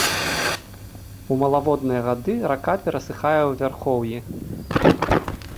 У малаводныя гады рака перасыхае ў вярхоўі.